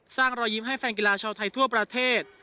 รอยยิ้มให้แฟนกีฬาชาวไทยทั่วประเทศ